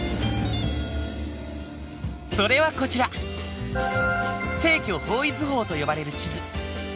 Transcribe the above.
それはこちら正距方位図法と呼ばれる地図。